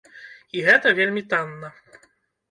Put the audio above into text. І гэта вельмі танна.